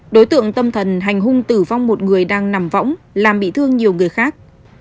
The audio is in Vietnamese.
đối tượng tâm thần hành hung tử vong một người đang nằm võng làm bị thương nhiều người khác